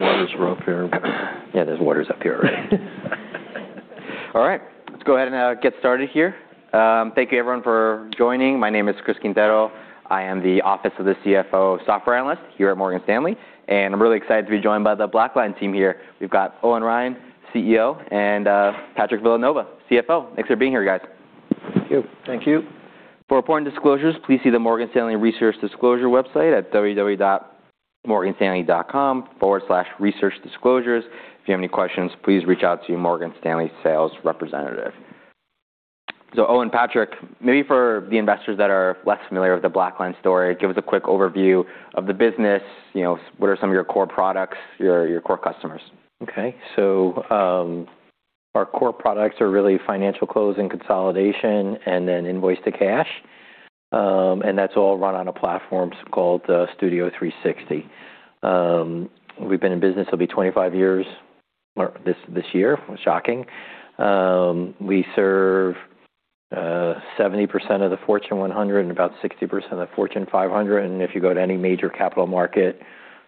Waters are up here. Yeah, there's waters up here already. All right, let's go ahead and get started here. Thank you everyone for joining. My name is Chris Quintero. I am the Office of the CFO Software Analyst here at Morgan Stanley, and I'm really excited to be joined by the BlackLine team here. We've got Owen Ryan, CEO, Patrick Villanova, CFO. Thanks for being here, guys. Thank you. Thank you. For important disclosures, please see the Morgan Stanley Research Disclosure website at www.morganstanley.com/researchdisclosures. If you have any questions, please reach out to your Morgan Stanley sales representative. Owen, Patrick, maybe for the investors that are less familiar with the BlackLine story, give us a quick overview of the business, you know, what are some of your core products, your core customers? Our core products are really financial closing consolidation and then Invoice-to-Cash. And that's all run on a platform called Studio 360. We've been in business, it'll be 25 years or this year. Shocking. We serve 70% of the Fortune 100 and about 60% of the Fortune 500. And if you go to any major capital market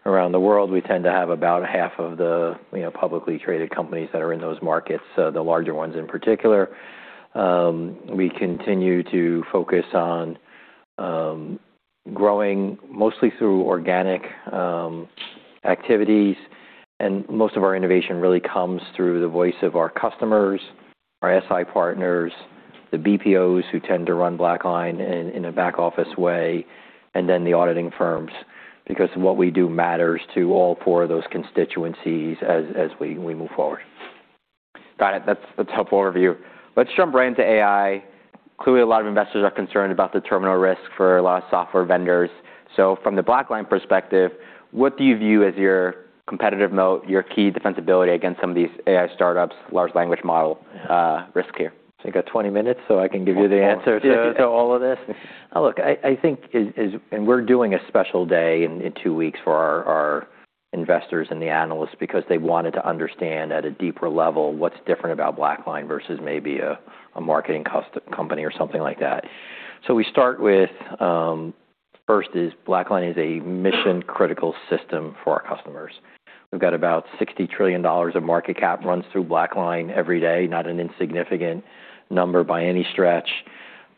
around the world, we tend to have about half of the, you know, publicly traded companies that are in those markets, the larger ones in particular. We continue to focus on growing mostly through organic activities, and most of our innovation really comes through the voice of our customers, our SI partners, the BPOs who tend to run BlackLine in a back office way, and then the auditing firms, because what we do matters to all four of those constituencies as we move forward. Got it. That's helpful overview. Let's jump right into AI. Clearly, a lot of investors are concerned about the terminal risk for a lot of software vendors. From the BlackLine perspective, what do you view as your competitive moat, your key defensibility against some of these AI startups, large language model risk here? You got 20 minutes so I can give you the answer. Yeah. To all of this? Look, I think we're doing a special day in two weeks for our investors and the analysts because they wanted to understand at a deeper level what's different about BlackLine versus maybe a marketing company or something like that. We start with, first is BlackLine is a mission-critical system for our customers. We've got about $60 trillion of market cap runs through BlackLine every day, not an insignificant number by any stretch.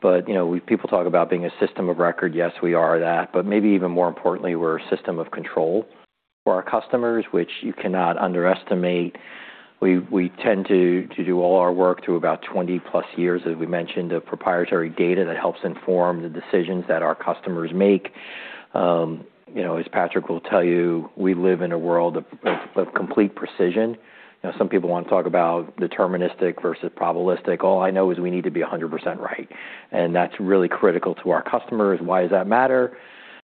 You know, we. People talk about being a system of record. Yes, we are that. Maybe even more importantly, we're a system of control for our customers, which you cannot underestimate. We tend to do all our work through about 20+ years, as we mentioned, of proprietary data that helps inform the decisions that our customers make. You know, as Patrick will tell you, we live in a world of complete precision. You know, some people want to talk about deterministic versus probabilistic. All I know is we need to be 100% right, and that's really critical to our customers. Why does that matter?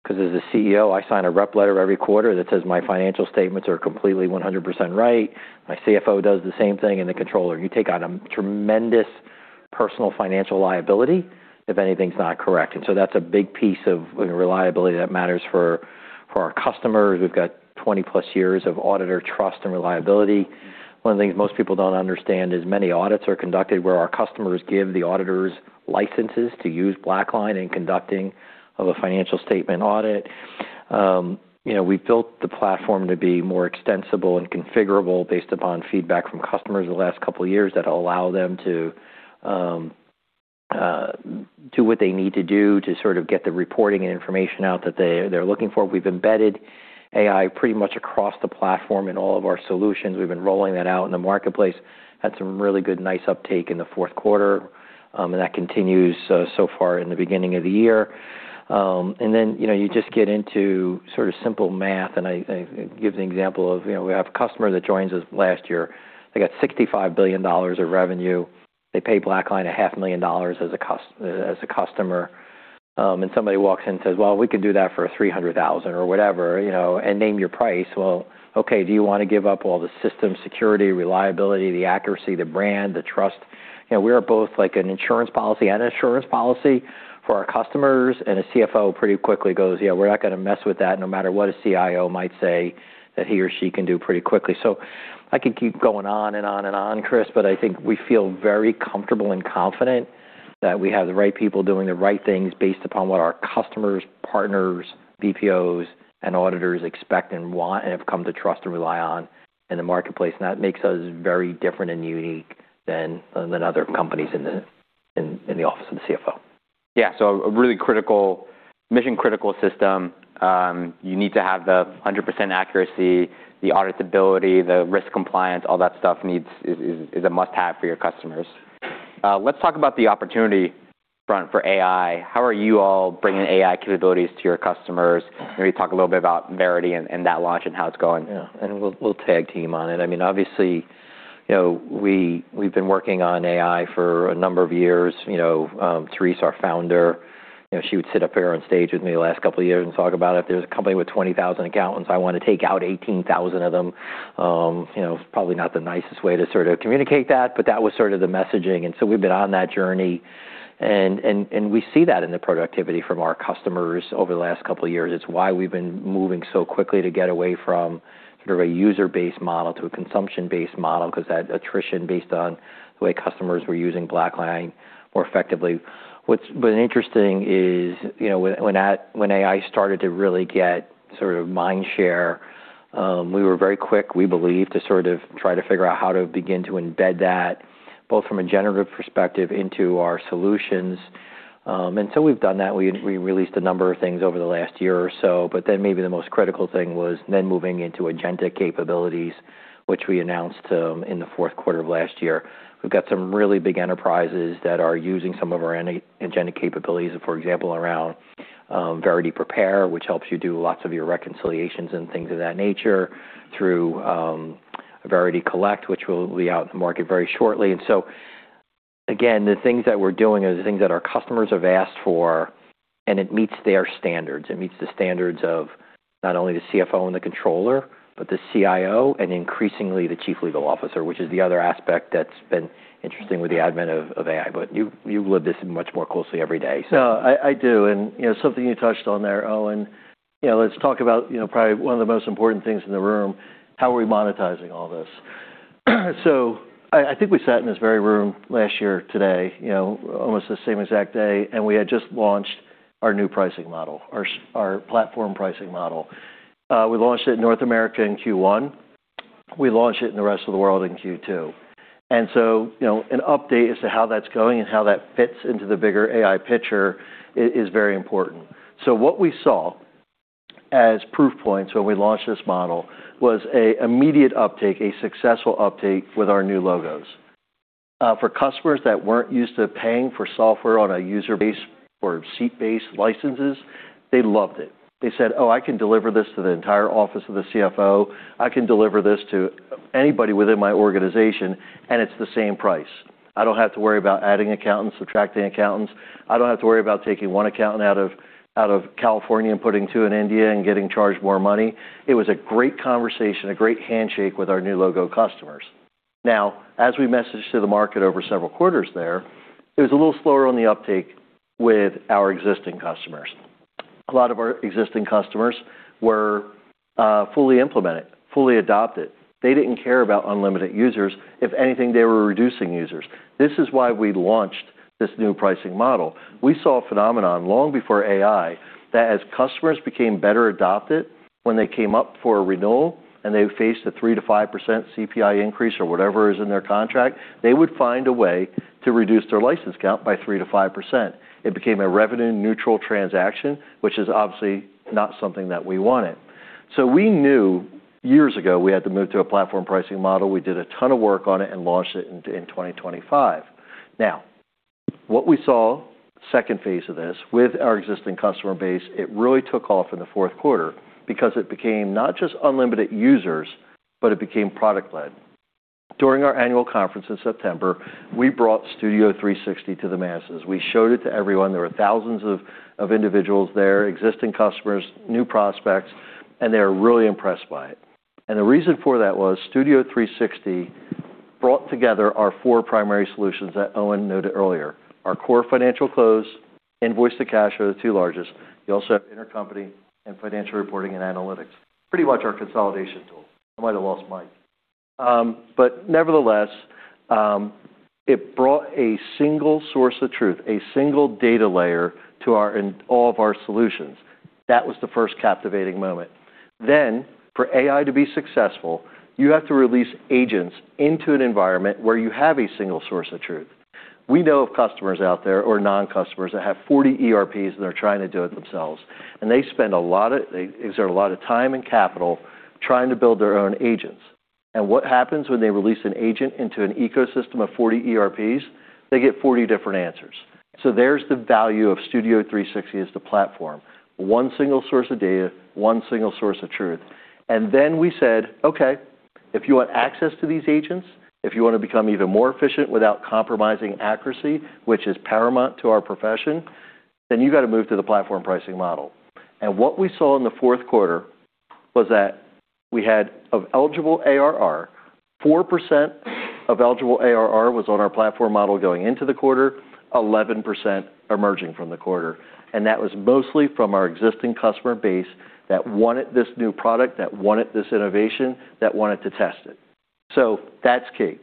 'Cause as a CEO, I sign a rep letter every quarter that says my financial statements are completely 100% right. My CFO does the same thing and the controller. You take on a tremendous personal financial liability if anything's not correct. That's a big piece of reliability that matters for our customers. We've got 20+ years of auditor trust and reliability. One of the things most people don't understand is many audits are conducted where our customers give the auditors licenses to use BlackLine in conducting of a financial statement audit. You know, we built the platform to be more extensible and configurable based upon feedback from customers the last couple of years that allow them to do what they need to do to sort of get the reporting and information out that they're looking for. We've embedded AI pretty much across the platform in all of our solutions. We've been rolling that out in the marketplace. Had some really good, nice uptake in the fourth quarter, and that continues so far in the beginning of the year. You know, you just get into sort of simple math, and I give the example of, you know, we have a customer that joins us last year. They got $65 billion of revenue. They pay BlackLine a half million dollars as a customer. Somebody walks in and says, well, we could do that for a $300,000, or whatever, you know, and name your price. Okay, do you wanna give up all the system security, reliability, the accuracy, the brand, the trust? You know, we are both like an insurance policy and assurance policy for our customers, a CFO pretty quickly goes, yeah, we're not gonna mess with that no matter what a CIO might say that he or she can do pretty quickly. I could keep going on and on and on, Chris, I think we feel very comfortable and confident that we have the right people doing the right things based upon what our customers, partners, BPOs, and auditors expect and want and have come to trust and rely on in the marketplace. That makes us very different and unique than other companies in the Office of the CFO. Yeah. A really mission-critical system. You need to have the 100% accuracy, the auditability, the risk compliance, all that stuff is a must-have for your customers. Let's talk about the opportunity front for AI. How are you all bringing AI capabilities to your customers? Maybe talk a little bit about Verity and that launch and how it's going. Yeah. We'll, we'll tag team on it. I mean, obviously, you know, we've been working on AI for a number of years. You know, Therese, our Founder, you know, she would sit up here on stage with me the last couple of years and talk about if there's a company with 20,000 accountants, I wanna take out 18,000 of them. You know, probably not the nicest way to sort of communicate that, but that was sort of the messaging. We've been on that journey and, and we see that in the productivity from our customers over the last couple of years. It's why we've been moving so quickly to get away from sort of a user-based model to a consumption-based model because that attrition based on the way customers were using BlackLine more effectively. What's been interesting is, you know, when AI started to really get sort of mind share. We were very quick, we believe, to sort of try to figure out how to begin to embed that, both from a generative perspective into our solutions. We've done that. We released a number of things over the last year or so. Maybe the most critical thing was then moving into agentic capabilities, which we announced in the fourth quarter of last year. We've got some really big enterprises that are using some of our agentic capabilities, for example, around Verity Prepare, which helps you do lots of your reconciliations and things of that nature, through Verity Collect, which will be out in the market very shortly. Again, the things that we're doing are the things that our customers have asked for, and it meets their standards. It meets the standards of not only the CFO and the controller, but the CIO, and increasingly the chief legal officer, which is the other aspect that's been interesting with the advent of AI. You've lived this much more closely every day. No, I do. You know, something you touched on there, Owen, you know, let's talk about, you know, probably one of the most important things in the room, how are we monetizing all this? I think we sat in this very room last year today, you know, almost the same exact day, and we had just launched our new pricing model, our platform pricing model. We launched it in North America in Q1. We launched it in the rest of the world in Q2. You know, an update as to how that's going and how that fits into the bigger AI picture is very important. What we saw as proof points when we launched this model was a immediate uptake, a successful uptake with our new logos. For customers that weren't used to paying for software on a user base or seat-based licenses, they loved it. They said, oh, I can deliver this to the entire office of the CFO. I can deliver this to anybody within my organization, and it's the same price. I don't have to worry about adding accountants, subtracting accountants. I don't have to worry about taking one accountant out of California and putting two in India and getting charged more money. It was a great conversation, a great handshake with our new logo customers. Now, as we messaged to the market over several quarters there, it was a little slower on the uptake with our existing customers. A lot of our existing customers were fully implemented, fully adopted. They didn't care about unlimited users. If anything, they were reducing users. This is why we launched this new pricing model. We saw a phenomenon long before AI that as customers became better adopted, when they came up for a renewal and they faced a 3%-5% CPI increase or whatever is in their contract, they would find a way to reduce their license count by 3%-5%. It became a revenue neutral transaction, which is obviously not something that we wanted. We knew years ago we had to move to a platform pricing model. We did a ton of work on it and launched it in 2025. What we saw, second phase of this, with our existing customer base, it really took off in the fourth quarter because it became not just unlimited users, but it became product led. During our annual conference in September, we brought Studio 360 to the masses. We showed it to everyone. There were thousands of individuals there, existing customers, new prospects. They were really impressed by it. The reason for that was Studio 360 brought together our four primary solutions that Owen noted earlier. Our core financial close, Invoice-to-Cash are the two largest. You also have Intercompany and Financial Reporting Analytics. Pretty much our consolidation tool. I might have lost Mike. Nevertheless, it brought a single source of truth, a single data layer in all of our solutions. That was the first captivating moment. For AI to be successful, you have to release agents into an environment where you have a single source of truth. We know of customers out there or non-customers that have 40 ERPs. They're trying to do it themselves. They spend a lot of, they exert a lot of time and capital trying to build their own agents. What happens when they release an agent into an ecosystem of 40 ERPs? They get 40 different answers. There's the value of Studio 360 as the platform. One single source of data, one single source of truth. We said, okay, if you want access to these agents, if you want to become even more efficient without compromising accuracy, which is paramount to our profession, then you got to move to the platform pricing model. What we saw in the fourth quarter was that we had of eligible ARR, 4% of eligible ARR was on our platform model going into the quarter, 11% emerging from the quarter. That was mostly from our existing customer base that wanted this new product, that wanted this innovation, that wanted to test it. That's key.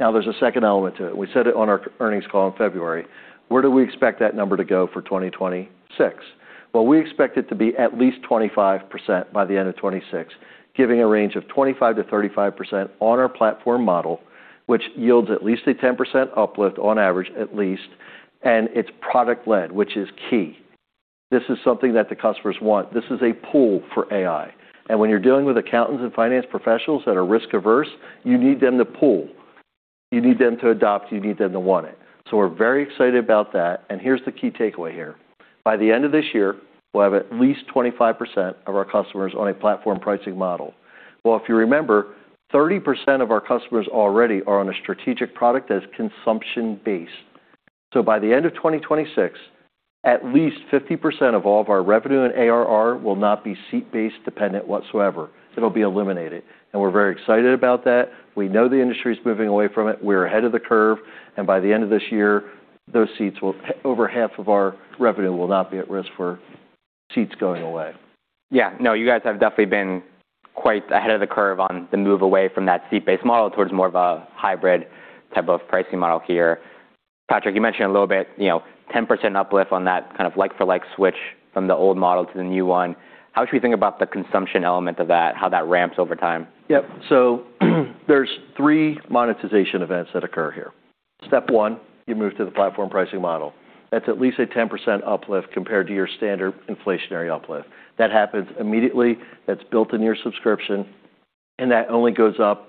Now, there's a second element to it. We said it on our earnings call in February. Where do we expect that number to go for 2026? Well, we expect it to be at least 25% by the end of 2026, giving a range of 25%-35% on our platform model, which yields at least a 10% uplift on average, at least. It's product led, which is key. This is something that the customers want. This is a pull for AI. When you're dealing with accountants and finance professionals that are risk averse, you need them to pull, you need them to adopt, you need them to want it. We're very excited about that, and here's the key takeaway here. By the end of this year, we'll have at least 25% of our customers on a platform pricing model. Well, if you remember, 30% of our customers already are on a strategic product that is consumption-based. By the end of 2026, at least 50% of all of our revenue and ARR will not be seat-based dependent whatsoever. It'll be eliminated. We're very excited about that. We know the industry is moving away from it. We're ahead of the curve, and by the end of this year, those seats over half of our revenue will not be at risk for seats going away. Yeah. No, you guys have definitely been quite ahead of the curve on the move away from that seat-based model towards more of a hybrid type of pricing model here. Patrick, you mentioned a little bit, you know, 10% uplift on that kind of like-for-like switch from the old model to the new one. How should we think about the consumption element of that, how that ramps over time? Yep. There's three monetization events that occur here. Step one, you move to the platform pricing model. That's at least a 10% uplift compared to your standard inflationary uplift. That happens immediately, that's built into your subscription, and that only goes up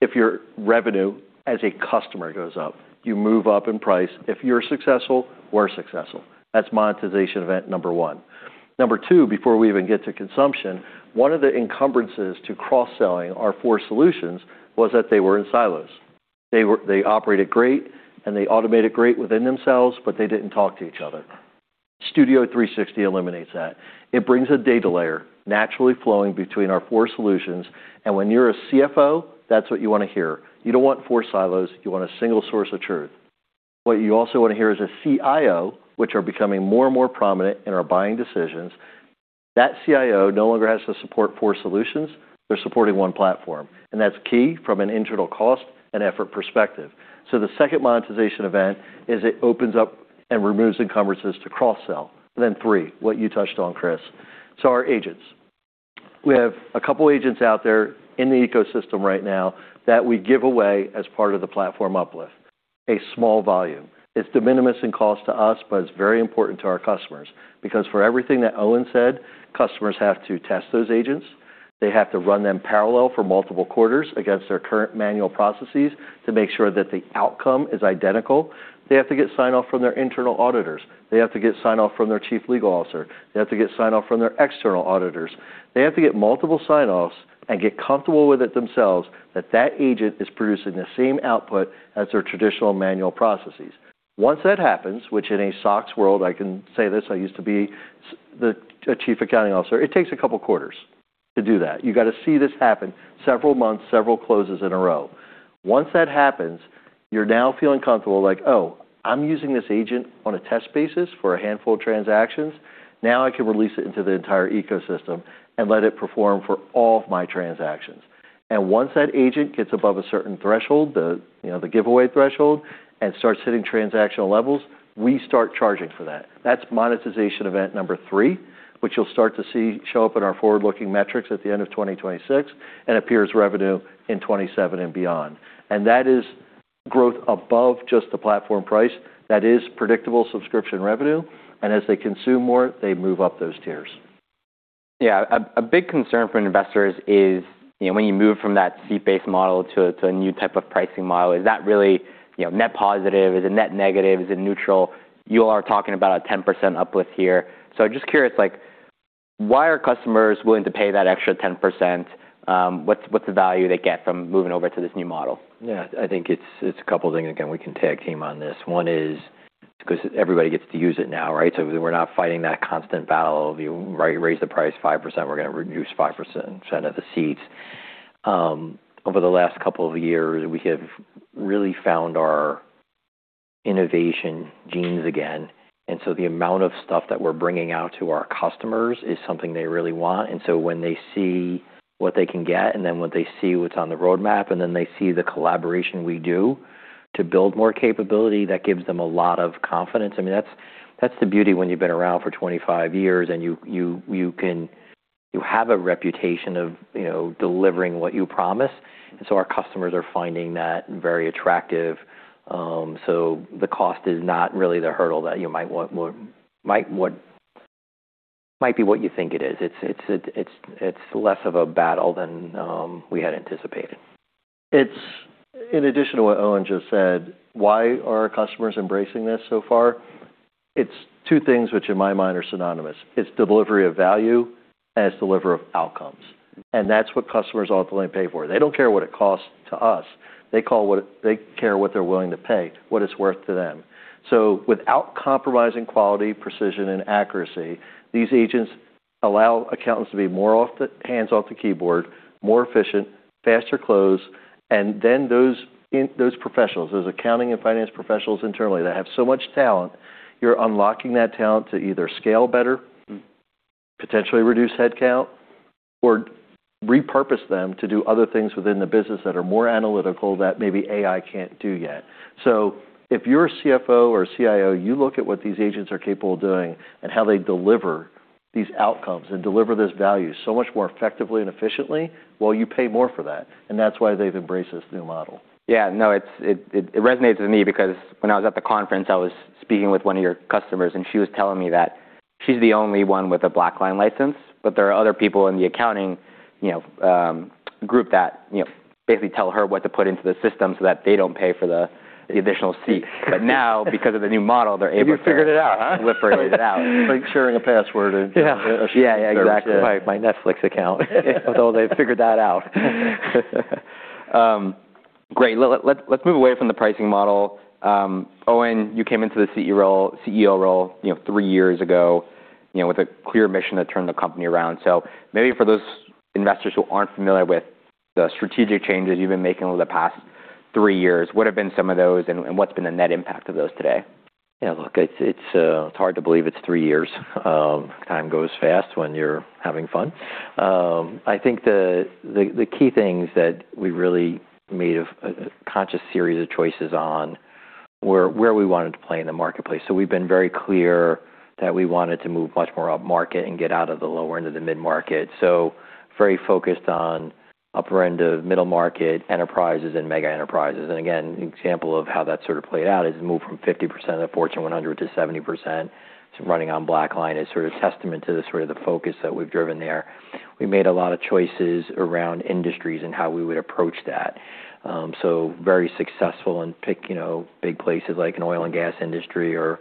if your revenue as a customer goes up. You move up in price. If you're successful, we're successful. That's monetization event number one. Number two, before we even get to consumption, one of the encumbrances to cross-selling our four solutions was that they were in silos. They operated great, and they automated great within themselves, but they didn't talk to each other. Studio 360 eliminates that. It brings a data layer naturally flowing between our four solutions, when you're a CFO, that's what you wanna hear. You don't want four silos, you want a single source of truth. What you also wanna hear as a CIO, which are becoming more and more prominent in our buying decisions, that CIO no longer has to support four solutions, they're supporting one platform. That's key from an internal cost and effort perspective. The second monetization event is it opens up and removes encumbrances to cross-sell. Then three, what you touched on, Chris. Our agents. We have a couple agents out there in the ecosystem right now that we give away as part of the platform uplift. A small volume. It's de minimis in cost to us, but it's very important to our customers, because for everything that Owen said, customers have to test those agents, they have to run them parallel for multiple quarters against their current manual processes to make sure that the outcome is identical. They have to get sign-off from their internal auditors. They have to get sign-off from their chief legal officer. They have to get sign-off from their external auditors. They have to get multiple sign-offs and get comfortable with it themselves that that agent is producing the same output as their traditional manual processes. Once that happens, which in a SOX world, I can say this, I used to be a chief accounting officer, it takes a couple quarters to do that. You gotta see this happen several months, several closes in a row. Once that happens, you're now feeling comfortable like, oh, I'm using this agent on a test basis for a handful of transactions. I can release it into the entire ecosystem and let it perform for all of my transactions. Once that agent gets above a certain threshold, the, you know, giveaway threshold, and starts hitting transactional levels, we start charging for that. That's monetization event number three, which you'll start to see show up in our forward-looking metrics at the end of 2026, and appears revenue in 2027 and beyond. That is growth above just the platform price. That is predictable subscription revenue, and as they consume more, they move up those tiers. Yeah. A big concern for investors is, you know, when you move from that seat-based model to a new type of pricing model, is that really, you know, net positive? Is it net negative? Is it neutral? You all are talking about a 10% uplift here. just curious, like, why are customers willing to pay that extra 10%? what's the value they get from moving over to this new model? Yeah. I think it's a couple things. We can tag team on this. One is because everybody gets to use it now, right? We're not fighting that constant battle of you, right, raise the price 5%, we're gonna reduce 5% of the seats. Over the last couple of years, we have really found our innovation genes again. The amount of stuff that we're bringing out to our customers is something they really want. When they see what they can get and then when they see what's on the roadmap, and then they see the collaboration we do to build more capability, that gives them a lot of confidence. I mean, that's the beauty when you've been around for 25 years and you can you have a reputation of, you know, delivering what you promise. Our customers are finding that very attractive. The cost is not really the hurdle that might be what you think it is. It's less of a battle than we had anticipated. In addition to what Owen just said, why are our customers embracing this so far? It's two things which in my mind are synonymous. It's delivery of value and it's delivery of outcomes. That's what customers ultimately pay for. They don't care what it costs to us, they care what they're willing to pay, what it's worth to them. Without compromising quality, precision, and accuracy, these agents allow accountants to be more hands off the keyboard, more efficient, faster close. Those professionals, those accounting and finance professionals internally that have so much talent, you're unlocking that talent to either scale better- Mm-hmm Potentially reduce headcount, or repurpose them to do other things within the business that are more analytical that maybe AI can't do yet. If you're a CFO or a CIO, you look at what these agents are capable of doing and how they deliver these outcomes and deliver those values so much more effectively and efficiently, well, you pay more for that. That's why they've embraced this new model. Yeah. No, it resonates with me because when I was at the conference, I was speaking with one of your customers, and she was telling me that she's the only one with a BlackLine license, but there are other people in the accounting, you know, group that, you know, basically tell her what to put into the system so that they don't pay for the additional seat. Now, because of the new model, they're able to. You figured it out, huh? Liberate it out. Like sharing a password. Yeah. A service. Yeah, yeah, exactly, my Netflix account. Although they've figured that out. Great. Let's move away from the pricing model. Owen, you came into the CEO role, you know, three years ago, you know, with a clear mission to turn the company around. Maybe for those investors who aren't familiar with the strategic changes you've been making over the past three years, what have been some of those, and what's been the net impact of those today? Look, it's hard to believe it's three years. Time goes fast when you're having fun. I think the key things that we really made a conscious series of choices on were where we wanted to play in the marketplace. We've been very clear that we wanted to move much more upmarket and get out of the lower end of the mid-market. Very focused on upper end of middle market enterprises and mega enterprises. Again, an example of how that sort of played out is we moved from 50% of the Fortune 100 to 70%. Running on BlackLine is sort of testament to the sort of the focus that we've driven there. We made a lot of choices around industries and how we would approach that. Very successful in picking, you know, big places like an oil and gas industry or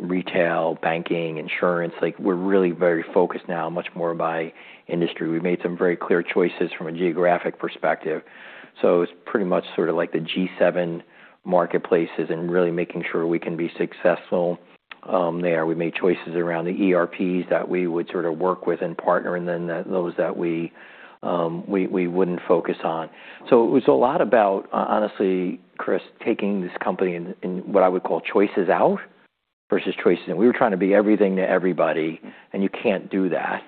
retail, banking, insurance. Like, we're really very focused now much more by industry. We made some very clear choices from a geographic perspective, so it's pretty much sort of like the G7 marketplaces and really making sure we can be successful there. We made choices around the ERPs that we would sort of work with and partner, and then those that we wouldn't focus on. It was a lot about honestly, Chris, taking this company in what I would call choices out versus choices in. We were trying to be everything to everybody, and you can't do that.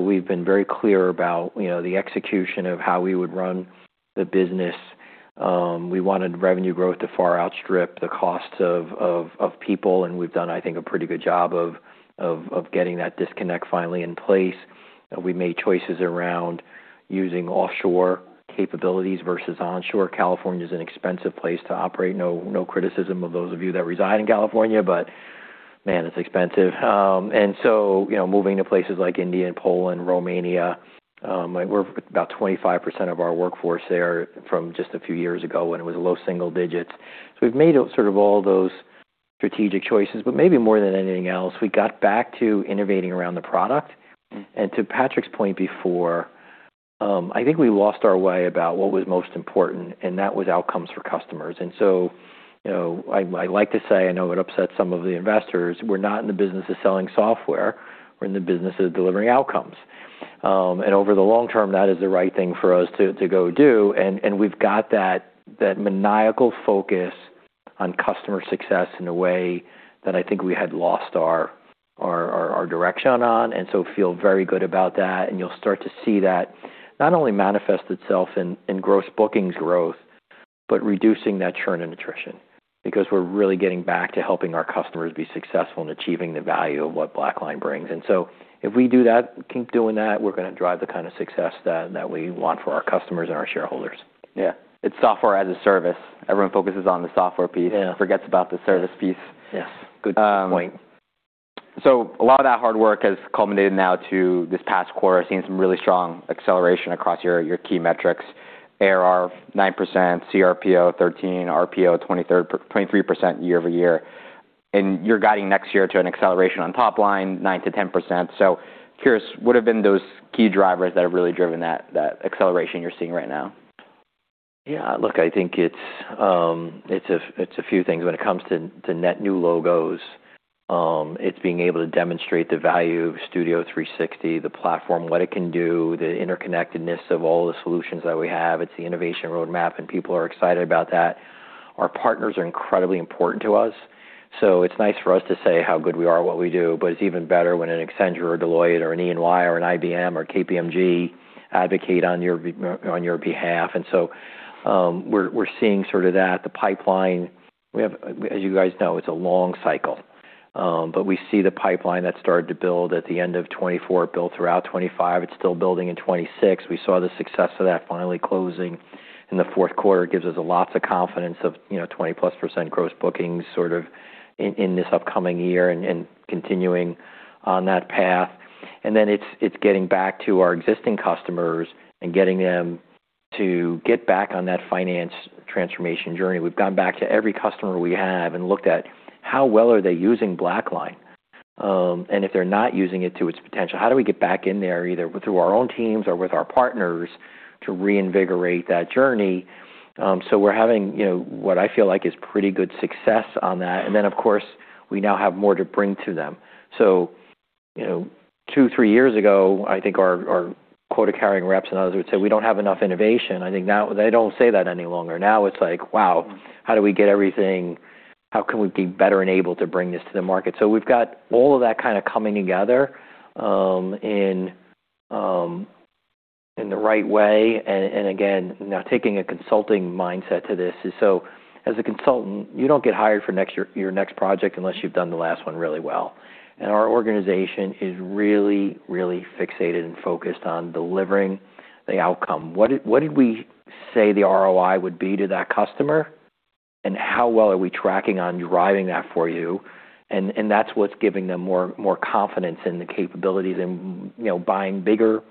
We've been very clear about, you know, the execution of how we would run the business. We wanted revenue growth to far outstrip the costs of people, and we've done, I think, a pretty good job of getting that disconnect finally in place. We made choices around using offshore capabilities versus onshore. California's an expensive place to operate. No, no criticism of those of you that reside in California, but man, it's expensive. You know, moving to places like India and Poland, Romania, we're about 25% of our workforce there from just a few years ago when it was low single digits. We've made sort of all those strategic choices, but maybe more than anything else, we got back to innovating around the product. To Patrick's point before, I think we lost our way about what was most important, and that was outcomes for customers. You know, I like to say, I know it upsets some of the investors, we're not in the business of selling software, we're in the business of delivering outcomes. Over the long term, that is the right thing for us to go do. We've got that maniacal focus on customer success in a way that I think we had lost our direction on. Feel very good about that. You'll start to see that not only manifest itself in gross bookings growth, but reducing that churn and attrition because we're really getting back to helping our customers be successful in achieving the value of what BlackLine brings. If we do that, keep doing that, we're gonna drive the kind of success that we want for our customers and our shareholders. Yeah. It's software as a service. Everyone focuses on the software piece- Yeah Forgets about the service piece. Yes. Good point. A lot of that hard work has culminated now to this past quarter, seeing some really strong acceleration across your key metrics. ARR 9%, CRPO 13%, RPO 23% year-over-year. You're guiding next year to an acceleration on top line, 9%-10%. Curious, what have been those key drivers that have really driven that acceleration you're seeing right now? Yeah, look, I think it's a few things. When it comes to net new logos, it's being able to demonstrate the value of Studio 360, the platform, what it can do, the interconnectedness of all the solutions that we have. It's the innovation roadmap, people are excited about that. Our partners are incredibly important to us, it's nice for us to say how good we are at what we do, it's even better when an Accenture or Deloitte or an EY or an IBM or KPMG advocate on your behalf. we're seeing sort of that. The pipeline we have, as you guys know, it's a long cycle. we see the pipeline that started to build at the end of 2024, built throughout 2025. It's still building in 2026. We saw the success of that finally closing in the fourth quarter. It gives us lots of confidence of, you know, 20%+ gross bookings sort of in this upcoming year and continuing on that path. It's, it's getting back to our existing customers and getting them to get back on that finance transformation journey. We've gone back to every customer we have and looked at how well are they using BlackLine. If they're not using it to its potential, how do we get back in there, either through our own teams or with our partners to reinvigorate that journey? We're having, you know, what I feel like is pretty good success on that. Of course, we now have more to bring to them. You know, two, three years ago, I think our quota-carrying reps and others would say, we don't have enough innovation. I think now they don't say that any longer. Now it's like, wow, how do we get everything? How can we be better enabled to bring this to the market? We've got all of that kind of coming together in the right way. Again, now taking a consulting mindset to this is, as a consultant, you don't get hired for your next project unless you've done the last one really well. Our organization is really fixated and focused on delivering the outcome. What did we say the ROI would be to that customer, and how well are we tracking on driving that for you. That's what's giving them more confidence in the capabilities and, you know, buying bigger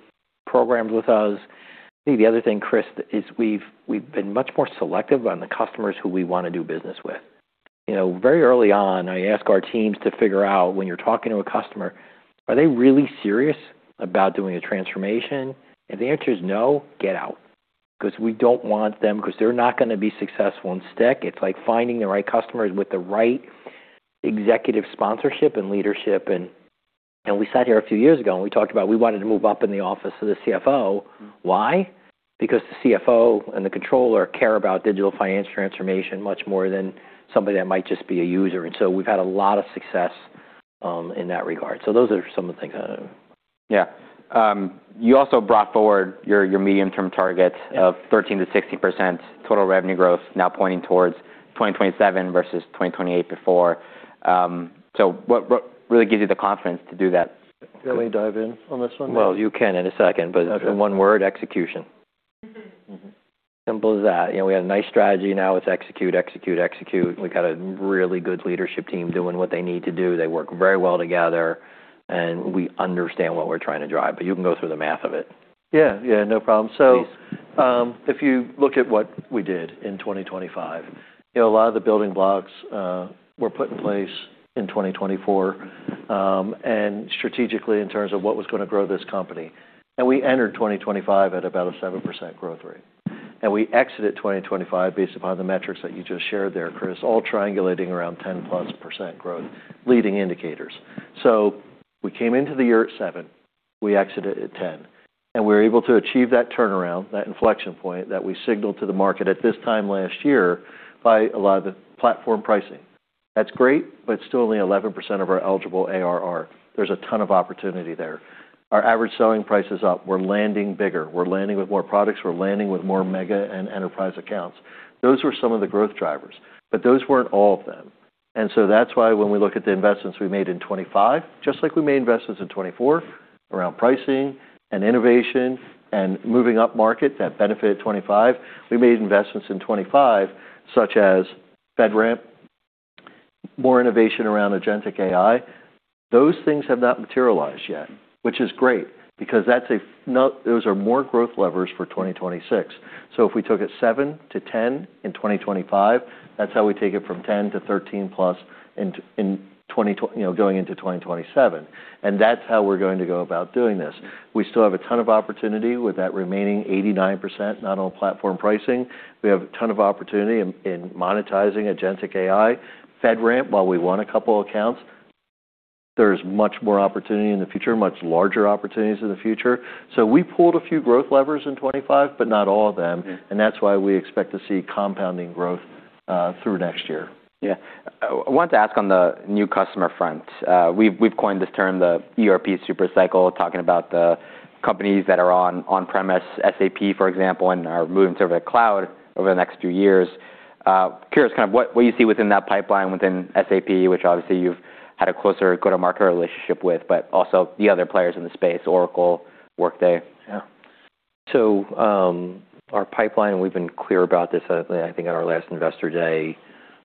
programs with us. I think the other thing, Chris, is we've been much more selective on the customers who we wanna do business with. Very early on, I ask our teams to figure out when you're talking to a customer, are they really serious about doing a transformation? If the answer is no, get out. We don't want them because they're not gonna be successful and stick. It's like finding the right customers with the right executive sponsorship and leadership. We sat here a few years ago, and we talked about we wanted to move up in the Office of the CFO. Why? Because the CFO and the controller care about digital finance transformation much more than somebody that might just be a user. We've had a lot of success in that regard. Those are some of the things. Yeah. You also brought forward your medium-term targets of 13%-16% total revenue growth now pointing towards 2027 versus 2028 before. What, what really gives you the confidence to do that? Can we dive in on this one? Well, you can in a second, but- Okay In one word, execution. Mm-hmm. Simple as that. You know, we had a nice strategy. Now it's execute, execute. We got a really good leadership team doing what they need to do. They work very well together. We understand what we're trying to drive. You can go through the math of it. Yeah. Yeah, no problem. Please. If you look at what we did in 2025, you know, a lot of the building blocks were put in place in 2024, and strategically, in terms of what was gonna grow this company. We entered 2025 at about a 7% growth rate. We exited 2025 based upon the metrics that you just shared there, Chris, all triangulating around 10%+ growth leading indicators. We came into the year at 7%, we exited at 10%, and we were able to achieve that turnaround, that inflection point that we signaled to the market at this time last year by a lot of the platform pricing. That's great. It's still only 11% of our eligible ARR. There's a ton of opportunity there. Our average selling price is up. We're landing bigger. We're landing with more products. We're landing with more mega and enterprise accounts. Those were some of the growth drivers, but those weren't all of them. That's why when we look at the investments we made in 2025, just like we made investments in 2024 around pricing and innovation and moving up market that benefited 2025, we made investments in 2025, such as FedRAMP, more innovation around Agentic AI. Those things have not materialized yet, which is great because those are more growth levers for 2026. If we took it 7%-10% in 2025, that's how we take it from 10%-13%+ you know, going into 2027. That's how we're going to go about doing this. We still have a ton of opportunity with that remaining 89% not on platform pricing. We have a ton of opportunity in monetizing Agentic AI. FedRAMP, while we won a couple of accounts, there is much more opportunity in the future, much larger opportunities in the future. We pulled a few growth levers in 2025, but not all of them. Mm. That's why we expect to see compounding growth, through next year. Yeah. I want to ask on the new customer front. We've coined this term the ERP super cycle, talking about the companies that are on on-premise, SAP, for example, and are moving to the cloud over the next few years. Curious kind of what you see within that pipeline within SAP, which obviously you've had a closer go-to-market relationship with, but also the other players in the space, Oracle, Workday. Our pipeline, we've been clear about this, I think at our last investor day,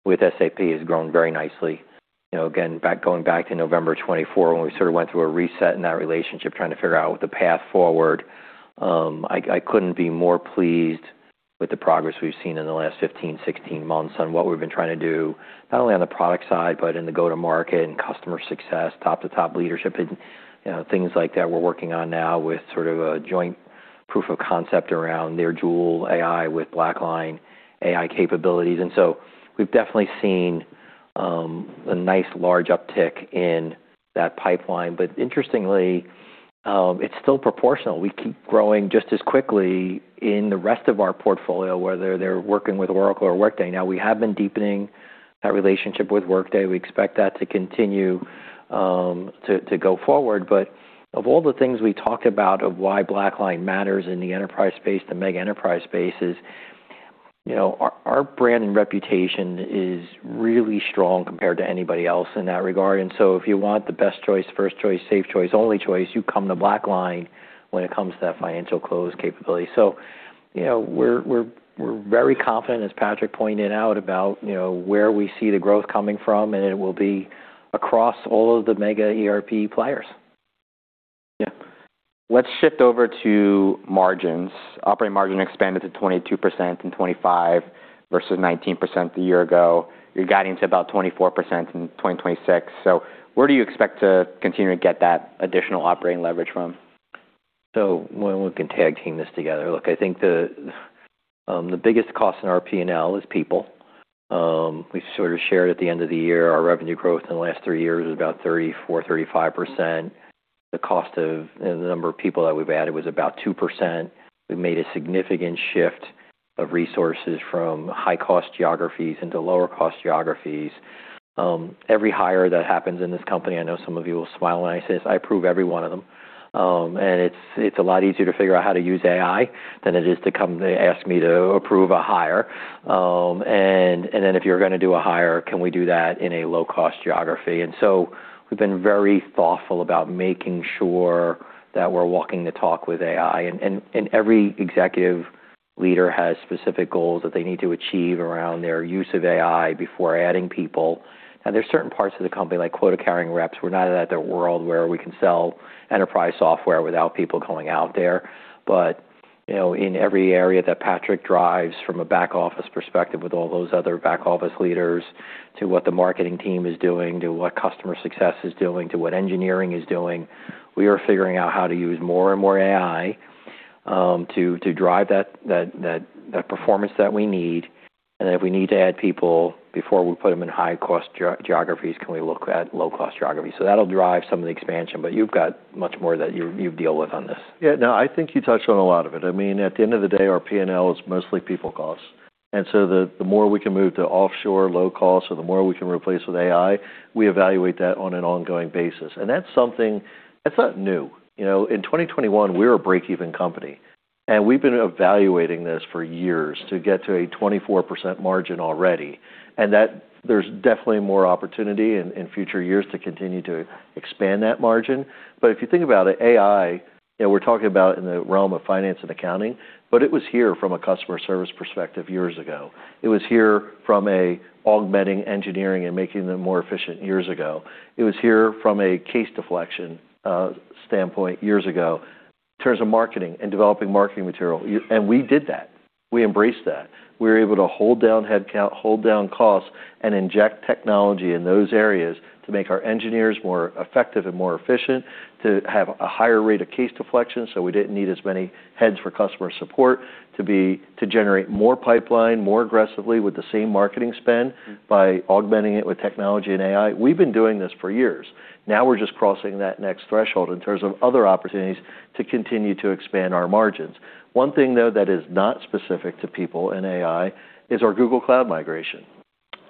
with SAP has grown very nicely. You know, again, going back to November of 2024, when we sort of went through a reset in that relationship, trying to figure out the path forward, I couldn't be more pleased with the progress we've seen in the last 15, 16 months on what we've been trying to do, not only on the product side, but in the go-to-market and customer success, top-to-top leadership and, you know, things like that we're working on now with sort of a joint proof of concept around their Joule AI with BlackLine AI capabilities. We've definitely seen a nice large uptick in that pipeline. Interestingly, it's still proportional. We keep growing just as quickly in the rest of our portfolio, whether they're working with Oracle or Workday. We have been deepening that relationship with Workday. We expect that to continue to go forward. Of all the things we talked about of why BlackLine matters in the enterprise space, the mega enterprise space is, you know, our brand and reputation is really strong compared to anybody else in that regard. If you want the best choice, first choice, safe choice, only choice, you come to BlackLine when it comes to that financial close capability. You know, we're very confident, as Patrick pointed out, about, you know, where we see the growth coming from, and it will be across all of the mega ERP players. Yeah. Let's shift over to margins. Operating margin expanded to 22% in 2025 versus 19% a year ago. You're guiding to about 24% in 2026. Where do you expect to continue to get that additional operating leverage from? We can tag team this together. Look, I think the biggest cost in our P&L is people. We sort of shared at the end of the year, our revenue growth in the last three years was about 34%-35%. The cost of the number of people that we've added was about 2%. We made a significant shift of resources from high-cost geographies into lower-cost geographies. Every hire that happens in this company, I know some of you will smile when I say this, I approve every one of them. And it's a lot easier to figure out how to use AI than it is to come to ask me to approve a hire. And then if you're gonna do a hire, can we do that in a low-cost geography? We've been very thoughtful about making sure that we're walking the talk with AI. Every executive leader has specific goals that they need to achieve around their use of AI before adding people. There's certain parts of the company, like quota-carrying reps. We're not at that world where we can sell enterprise software without people going out there. You know, in every area that Patrick drives from a back office perspective with all those other back office leaders to what the marketing team is doing, to what customer success is doing, to what engineering is doing. We are figuring out how to use more and more AI to drive that performance that we need. If we need to add people before we put them in high-cost geographies, can we look at low-cost geographies? That'll drive some of the expansion, but you've got much more that you deal with on this. Yeah, no, I think you touched on a lot of it. I mean, at the end of the day, our P&L is mostly people costs, and so the more we can move to offshore low cost or the more we can replace with AI, we evaluate that on an ongoing basis. That's not new. You know, in 2021, we were a break-even company, and we've been evaluating this for years to get to a 24% margin already. There's definitely more opportunity in future years to continue to expand that margin. If you think about it, AI, you know, we're talking about in the realm of finance and accounting, but it was here from a customer service perspective years ago. It was here from a augmenting engineering and making them more efficient years ago. It was here from a case deflection standpoint years ago in terms of marketing and developing marketing material. We did that. We embraced that. We were able to hold down headcount, hold down costs, and inject technology in those areas to make our engineers more effective and more efficient, to have a higher rate of case deflection, so we didn't need as many heads for customer support to generate more pipeline more aggressively with the same marketing spend by augmenting it with technology and AI. We've been doing this for years. We're just crossing that next threshold in terms of other opportunities to continue to expand our margins. One thing, though, that is not specific to people in AI is our Google Cloud migration.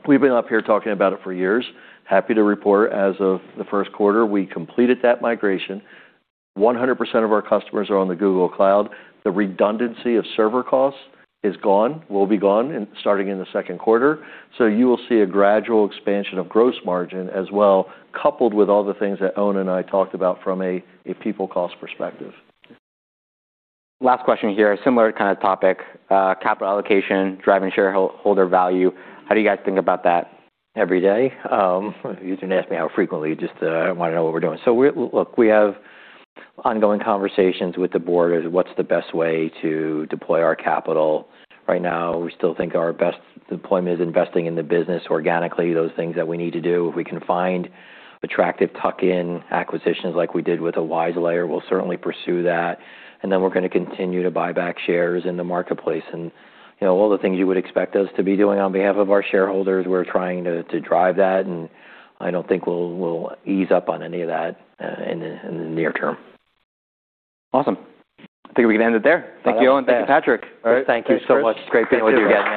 We've been up here talking about it for years. Happy to report as of the first quarter, we completed that migration. 100% of our customers are on the Google Cloud. The redundancy of server costs is gone, will be gone starting in the second quarter. You will see a gradual expansion of gross margin as well, coupled with all the things that Owen and I talked about from a people cost perspective. Last question here. Similar kind of topic, capital allocation, driving shareholder value. How do you guys think about that? Every day. You didn't ask me how frequently, just, I wanna know what we're doing. Look, we have ongoing conversations with the board as what's the best way to deploy our capital. Right now, we still think our best deployment is investing in the business organically, those things that we need to do. If we can find attractive tuck-in acquisitions like we did with the WiseLayer, we'll certainly pursue that. Then we're gonna continue to buy back shares in the marketplace. You know, all the things you would expect us to be doing on behalf of our shareholders, we're trying to drive that, and I don't think we'll ease up on any of that, in the, in the near term. Awesome. I think we can end it there. Thank you, Owen. Thank you, Patrick. Thank you so much. Great being with you again, man.